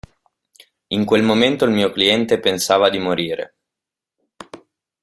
In quel momento il mio cliente pensava di morire.